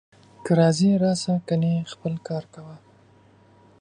که راځې راسه، کنې خپل کار کوه